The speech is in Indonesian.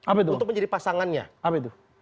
apa untuk menjadi pasangannya apa itu